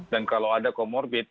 dan kalau ada comorbid